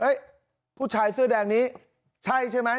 เอ๊ะเอ๊ะผู้ชายเสื้อแดงนี้ใช่ใช่ไหม